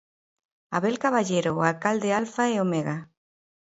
'Abel Caballero, o alcalde alfa e omega'.